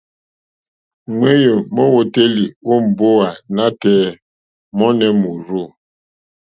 Ŋwéyò mówǒtélì ó mbówà nǎtɛ̀ɛ̀ mɔ́nɛ̌ mórzô.